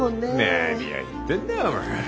なにを言ってんだよお前。